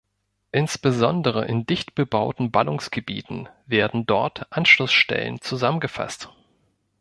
Insbesondere in dicht bebauten Ballungsgebieten werden dort Anschlussstellen zusammengefasst.